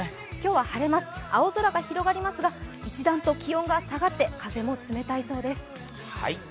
今日は晴れます、青空が広がりますが一段と気温が下がって、風も冷たいそうです。